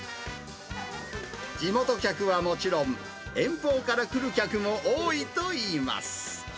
地元客はもちろん、遠方から来る客も多いといいます。